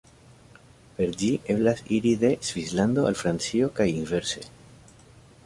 Per ĝi eblas iri de Svislando al Francio kaj inverse.